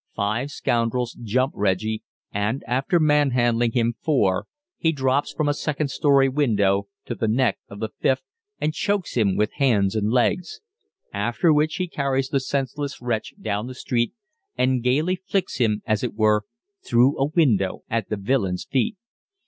Five scoundrels jump Reggie, and, after manhandling four, he drops from a second story window to the neck of the fifth, and chokes him with hands and legs. After which he carries the senseless wretch down the street, and gaily flicks him, as it were, through a window at the villain's feet.